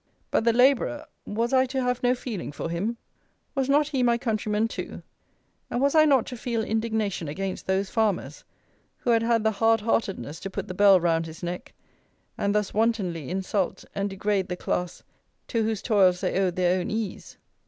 But the labourer, was I to have no feeling for him? Was not he my countryman too? And was I not to feel indignation against those farmers, who had had the hard heartedness to put the bell round his neck, and thus wantonly insult and degrade the class to whose toils they owed their own ease?